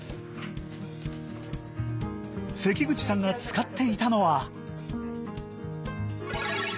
関口さんが使っていたのは。